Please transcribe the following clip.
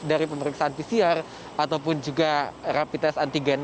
dari pemeriksaan pcr ataupun juga rapid test antigen